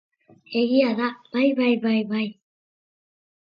Egia da, bai, bai, bai.